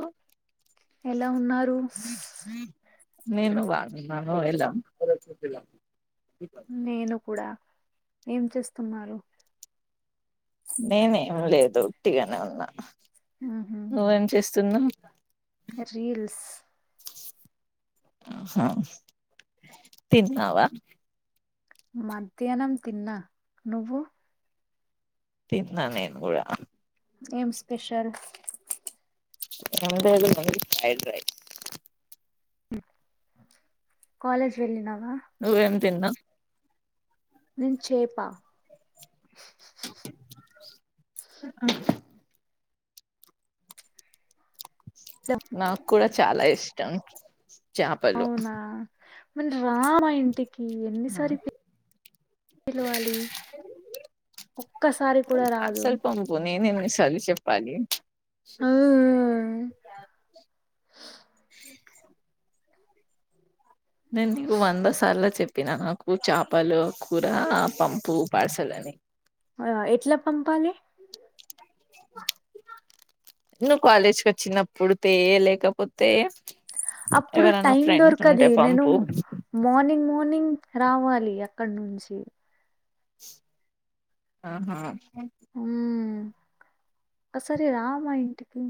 అ ఎలా ఉన్నారు నీను వాళ నా ఆ ఎలా నేను కూడా ఏం చేస్తున్నారు నేనేం లేదు ఓట్టిగానే ఉన్నా ఊహూ నువ్వేం చేస్తున్నావ్ రీల్స్ ఉం హమ్ తిన్నావా మధ్యాహ్నం తిన్నా నువ్వు తిన్నా నేను కూడా ఏం స్పెషల్ ఎం లేదు మా [unintelligible] ఫ్రైడ్ రైస్ కాలేజ్ వెళ్లినవా నువ్వేం తిన్నావ్ నేన్ చేపా ఆ నా కూడా చాలా ఇష్టం చేపలు అవునా మరి రా మా ఇంటి కి ఎన్నిసారి పిల్ పిలవాలి ఒక్కసారి కూడా రాదు [unintelligible] చెప్పలి ఆ నేను నీకు వంద సార్లు చెప్ ప్పిన నాకు చేపలు కూర పంపు పార్సల్ అని అ ఎట్లా పంపాలే నువ్ కాలేజ్కి వచ్చినప్పుడు తే లేకపోతే అప్పుడు టైమ్ దొరకది నేను పంపు మార్నింగ్ మా ర్నింగ్ ర్రావాలి అక్కడ నుంచి ఆహా అ సరే రా మా ఇంటికి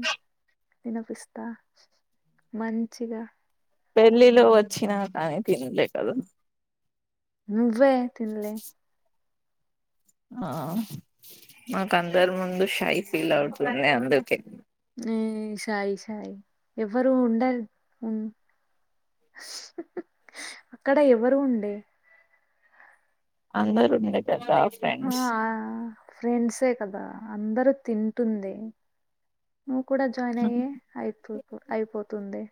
తినిపిస్తా మంచిగా పెళ్లిలో వచ్చినా కానీ తిన్లేకాదు నువ్వే తిన్లే ఆ మాకు అందరి ముందు షై ఫీల్ అవుతుంది అందుకే ని షై షై ఎవరు ఉండరు ఉ అక్కడ ఎవరు ఉండే అందరూ ఉండే కదా ఆ ఫ్రెండ్స్ ఫ్రెండ్సే కదా అందరు తింటుంది నువ్వు కూడా జాయిన్ అయ్యి అయితు అయిపోతుందే.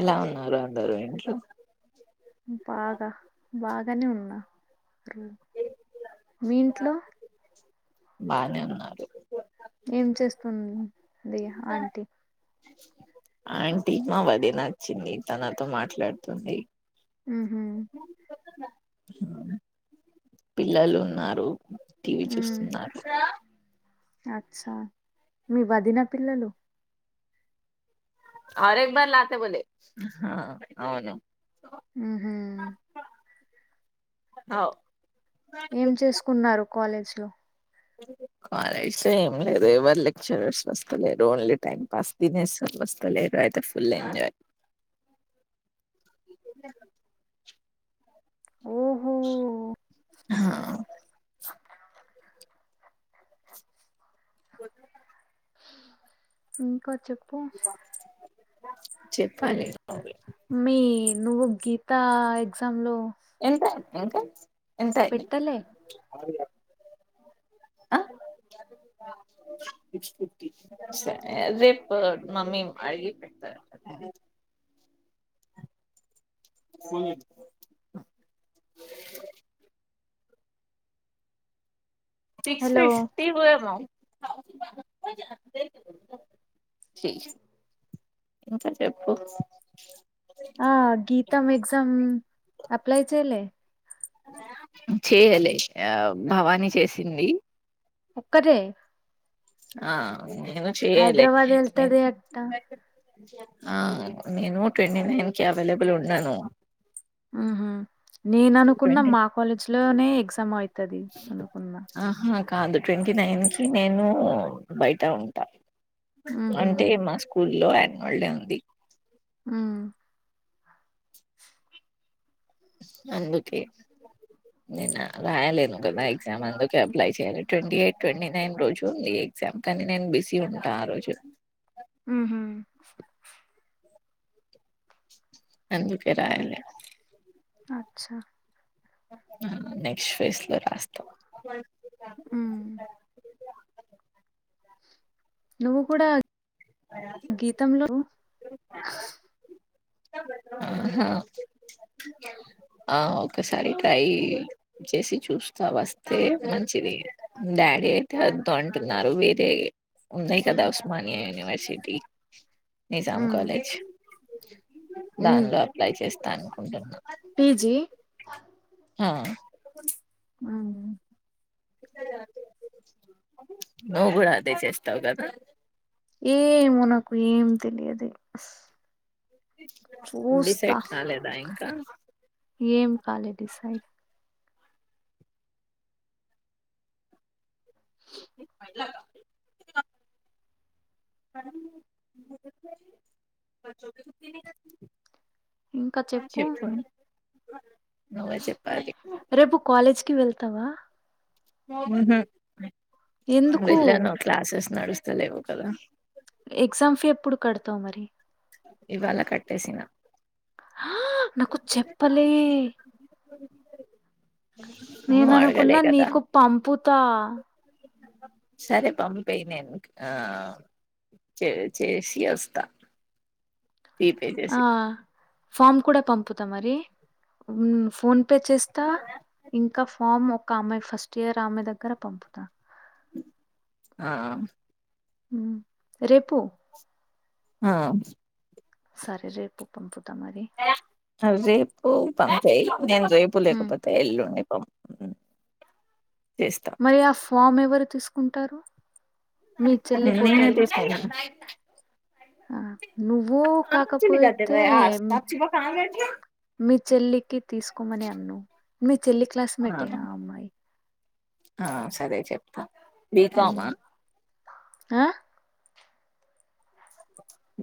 ఎలా ఉన్నారు అందరు ఇంట్లో బాగా బాగానే ఉన్నా మీ ఇంట్లో బానే ఉన్నారు ఏం చేస్తుంద్ దియ ఆంటీ ఆంటీ మా వదిన వొచ్చింది తనతో మాట్లాడుతుంది. ఉ హు పిల్లలు ఉన్నారు టీవీ ఉమ్ చూస్తున్నారు సా అచ్చా మీ వాదినా పిల్లలు అరెబాలతే ఉంది హ హా అవును ఊ హా అవ్ ఏం చేస్కూన్నారు కాలేజ్ త్యో కాలేజ్ లో ఏం లేదు ఎవరు లెక్చరర్స్ వొస్తలేరు, ఓన్లీ టైం పాస్ తినేసారు వస్తలేరు అయితే ఫుల్ ఎంజాయ్. ఓహో హా కొత్తగా ఊ కా చెప్పు చెప్పాలి నువ్వే మీ నువ్వు గీతా ఎగ్జామ్ లో ఎంతమ్ ఇంకా ఎంతయింది పెట్టలే ఆరు వేల యాబ్ ఆ సరే రేపు మమ్మీన్ అడిగి చొప్తాను సిక్స్ హలో ఫిఫ్టీ పోయేమో ీ ఇంకా చెప్పు ఆ గీతమ్ ఎక్జామ్ అప్లై చేయలే చేయలే ఆ భవాని చేసింది ఒక్కటే ఆ నేను చేయలే హైదరాబాద్ వెళ్తది అట్ట ఆ నేను ట్వంటీ నైన్ కి అవైలబుల్ ఉన్నాను ఆహా నేను అనుకున్న ట్వంటీ మా కాలేజ్ లోనే ఎగ్జామ్ ఐతది అనుకున్న ఆహా కాదు ట్వంటీ నైన్ కి నేను బయట ఉంటా ఉహు అంటే మా స్కూల్ లో [unintelligible] ఉంది ఉమ్ అందుకే నేనా రాయాలేను కదా ఎగ్జామ్ అందుకే అప్లై చెయ్యలే ట్వంటీ ఎయిట్ ట్వంటీ నైన్ రోజు టుంది ఎగ్జామ్ కానీ నేను బిజీ ఉంటా ఆ రోజు ఊహూ అందుకే రాయలే అచ్చా నెక్స్ట్ ఫేస్ లో రాస్తాం ఉమ్ నువ్వు కూడా గీతంలో [inaudible] ఆహా ఆ ఒకసారి ట్రై చేసి చూస్తా వస్తే మంచిది డాడీ అయితే వదు అంటున్నారు వేరే ఉమ్ కదా ఉస్మానియా యూనివర్సిటీ నిజాం ఉమ్ కాలేజ్ దానిలో అప్లై చేస్ తనుకుంటున్నా పి జీ హా ఆ నువ్వు కూడా అదే చేస్తావు కదా ఏమో నాకు ఏం తెలియది డిసైడ్ కాలేదా ఇంకా ఏం కాలే డిసైడ్ అ బ చోకి కుతి క ఇంకా చెప్పు నువ్వే చెప్పాలి కి వెళ్తావా మ్మ్ హ్మ్మ్ ఎందుకు? వెళ్ళను క్లాసెస్ నడుస్స్తలేవు కదా ఎగ్జామ్ ఫీ ఎప్పుడు కడతావు మరి ఇవాళ కట్టేసిన ఆ నాకు చెప్పలే నువ్వు నేన అనుకున్నా అడగలే కదా నీకు పంపుతా సరే పంపెయ్ నేను ఆ చే చేసి వస్తా ఫీ పేజేసి ఫామ్ కూడా పంపుతా మరి మ్మ్ ఫోన్ పే చేస్తా ఇంకా ఫామ్ ఒక అమ్మాయి ఫస్ట్ ఇయర్ ఆమె దగ్ గర పంపుత ఆ మ్మ్ రేపు ఆ సరే రేపు పంపు ట మరి అ రేపు పంచయి నేను రేపు హ్మ్. లేకపోతే ఎల్లుండి పంప్ మరి ఆ ఫామ్ ఎవర్ రు తీసుకుంటారు మీ చెల్లి నేనే పోతారు తీస్తాను ఆ నువ్వు కాకపోతే మీ చెల్లికి తీసుకోమని అని మీ చెల్లి క్లాస్మేటేనా ఆ అమ్మాయి ఆ సరే చెప్తా బీకామ ఉమ్ ఆ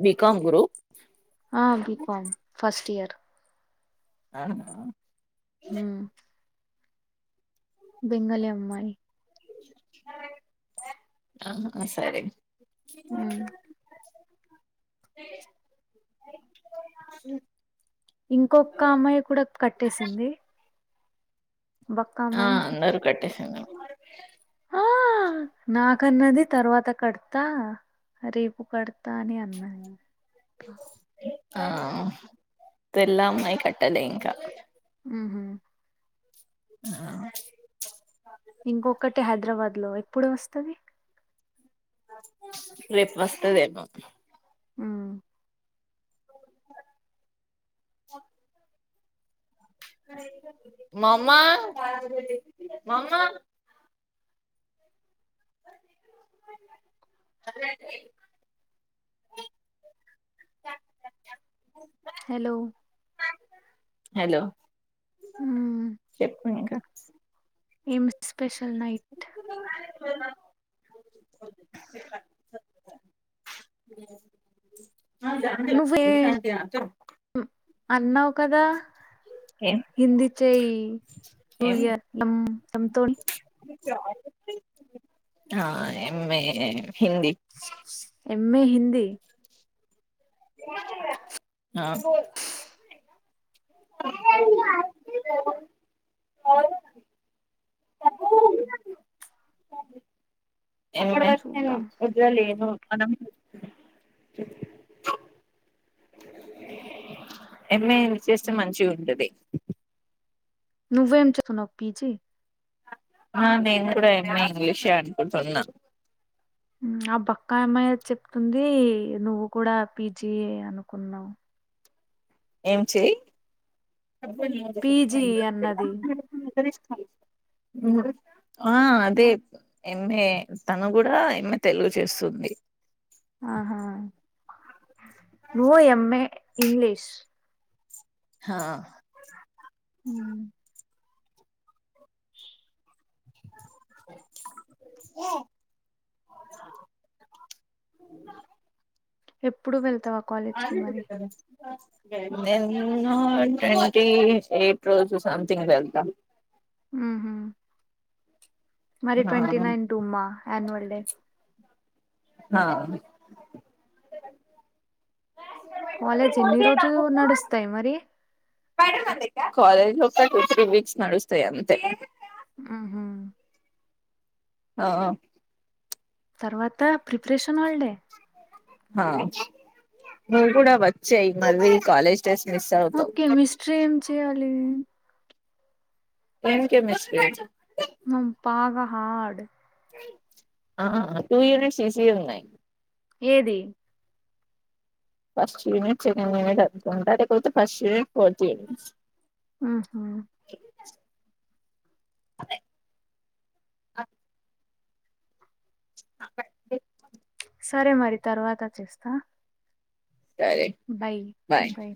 బీ కామ్ గురు ఆ బి కామ్ ఫస్ట్ ఇయర్ అవునా హ్మ్మ్ బెంగలీ అమ్మాయి ఆ సరే ఉమ్ మ్మ్ ఇంకొక అమ్మాయి కూడా కట్టేసింది బక్క ఆ అమ్మాయి అందరూ కట్టేసిండు ఆ నాకన్నది తర్వాత కడతా రేపు కడతా అని అన్నది ఆ పెళ్ళాం అయి కట్టలే ఇంకా. హుహు ఆ ఇంకొకటి హైదరాబాద్ లో ఎప్పుడు వస్తది రేపు వస్తది ఏమో ఉ చె మామ మామ హలో హలో చెప్పు ఇంకా ఏమి ఉస్ తుప్ పెసల్ నైట్ ఆ జాండి ఇంటాన్ టియా చెప్ అన్నావ్ కదా హింది చై ఏం [unintelligible] ఆమ్ తో ఆ ఏమి మే ఎంఏ హిందీ నాకు ఎప్పుడొచ్చినావు చూద్దాం రుద్ర లేడు. మనం ఎంఏ చేస్తే మంచిగుంటది నువ్వు ఏమి చెప్పినావ్ పీజీ ఆ నేను కూడా ఎంఏ ఇంగ్లీషే అనుకుంటున్నా యూ ఆ బక్క ఆ అమ్మాయి చెప్తుంది నువ్వు కూడా పీజీ అనుకున్నావ్ ఏం చేయ్ అబ్బాయిని నోట్ చేసేకి ఇట్ల పీజీ అయిందా అన్నది [unintelligible] ఎట్ల నేర్చు ఆ అదే ఎంఏ తను కూడా ఎంఏ తెలుగు చేస్తుంది ఆహా నువ్వు ఎంఏ ఇంగ్లీష్ హా ఉమ్, ఏఓ ఎప్పుడూ వెళ్తావా కాలేజ్ కి మరీ నేన్నూ ట్వంటీ ఏయిట్ రోజు సంథింగ్ వెళ్తా మ్ హుమ్ మరి ఆ ట్వంటీ నైన్ టూ మ్మా ఆనువల్ డే ఆ కాలేజ్ ఎన్ని రోజులు నడుస్తాయి మరి కాలేజ్ లో ఒకేసారి టూ త్రీ వీక్స్ నడుస్తాయి అంతే మ్ హూమ్ ఓ తర్వాత ప్రిపరేషన్ హల్ డే ఆ నువ్వు కూడా వచ్చేయి మల్లి కాలేజ్ డేస్ మిస్ అవుతావు ఓకే మిస్ట్రీ ఏం చేయాలి ఏం కేమిస్ట్రీ నం పాగా హార్డ్ ఆ టూ యూనిట్ ఈజీ ఉన్నాయి ఏది ఫస్ట్ యూనిట్ సెకండ్ యూనిట్ చదువుకుంటా లేపోతె ఫస్ట్ యూనిట్ ఫోర్త్ యూనిట్ మ్ హూమ్ ఆదే ఆ [unintelligible] సరే మరి తర్వాత చేస్తా సరే బై బాయ్ బై